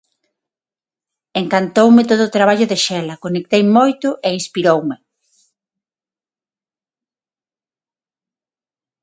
Encantoume todo o traballo de Xela, conectei moito e inspiroume.